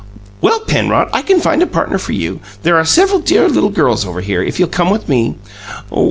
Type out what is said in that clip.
"Well, Penrod, I can find a partner for you. There are several dear little girls over here, if you'll come with me."